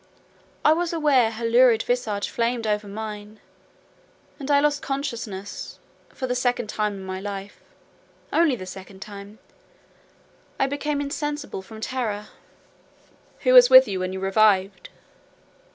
I was aware her lurid visage flamed over mine, and I lost consciousness: for the second time in my life—only the second time—I became insensible from terror." "Who was with you when you revived?"